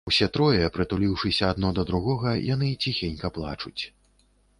Усе трое, прытуліўшыся адно да другога, яны ціхенька плачуць.